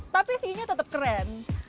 tapi fee nya tetap keren